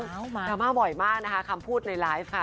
ดราม่าบ่อยมากนะคะคำพูดในไลฟ์ค่ะ